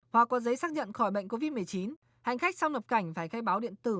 hoặc có giấy xác nhận khỏi bệnh covid một mươi chín hành khách sau nhập cảnh phải khai báo điện tử